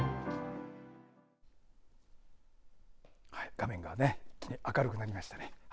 画面が一気に明るくなりましたね。